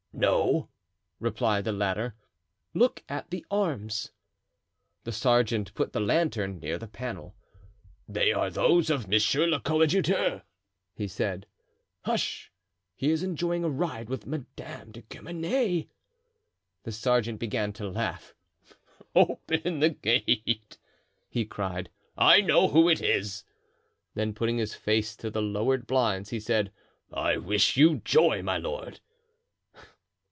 "No," replied the latter. "Look at the arms." The sergeant put the lantern near the panel. "They are those of monsieur le coadjuteur," he said. "Hush; he is enjoying a ride with Madame de Guemenee." The sergeant began to laugh. "Open the gate," he cried. "I know who it is!" Then putting his face to the lowered blinds, he said: "I wish you joy, my lord!"